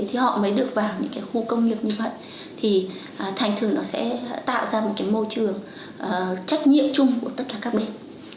thì họ mới được vào những cái khu công nghiệp như vậy thì thành thường nó sẽ tạo ra một cái môi trường trách nhiệm chung của tất cả các bên